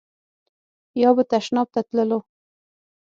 یا به تشناب ته تللو.